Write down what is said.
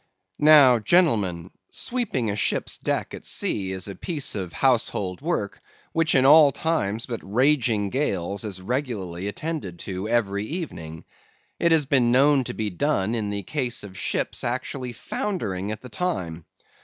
"Now, gentlemen, sweeping a ship's deck at sea is a piece of household work which in all times but raging gales is regularly attended to every evening; it has been known to be done in the case of ships actually foundering at the time.